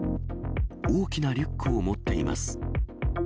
大きなリュックを持っています。